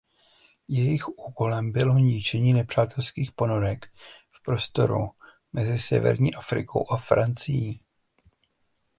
Jejich úkolem bylo ničení nepřátelských ponorek v prostoru mezi Severní Afrikou a Francií.